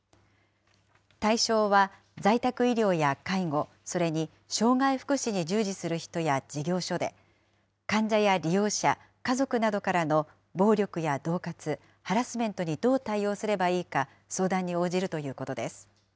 対象は、在宅医療や介護、それに障害福祉に従事する人や事業所で、患者や利用者、家族などからの暴力やどう喝、ハラスメントにどう対応すればいいか相談に応じるということです。